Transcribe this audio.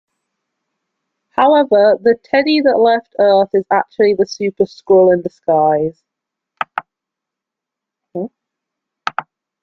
However, the "Teddy" that left Earth is actually the Super-Skrull in disguise.